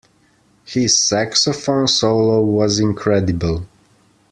His saxophone solo was incredible.